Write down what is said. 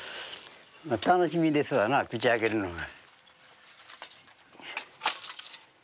楽しみですわな口開けるのが。